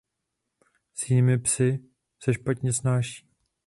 S jinými psy se špatně snáší.